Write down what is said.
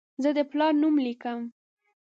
زه د پلار نوم لیکم.